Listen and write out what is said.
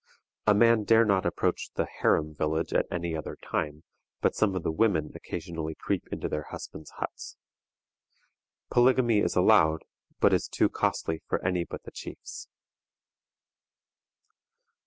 A man dare not approach the "harem village" at any other time, but some of the women occasionally creep into their husbands' huts. Polygamy is allowed, but is too costly for any but the chiefs.